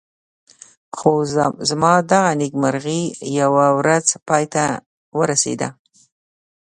خو زما دغه نېکمرغي یوه ورځ پای ته ورسېده.